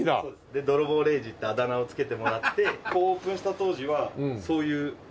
で「泥棒礼二」ってあだ名を付けてもらってここオープンした当時はそういう。